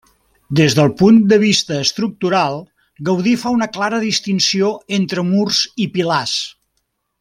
Des del punt de vista estructural, Gaudí fa una clara distinció entre murs i pilars.